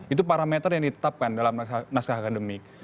itu parameter yang ditetapkan dalam naskah akademik